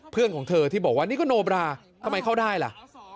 ของเธอที่บอกว่านี่ก็โนบราทำไมเข้าได้ล่ะ